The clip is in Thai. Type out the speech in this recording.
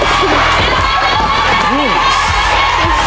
ต้องเร็วกว่านี้แล้วลูก